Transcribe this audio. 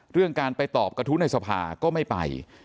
เรื่องการไปตอบกระทู้ในสภาก็ไม่ไป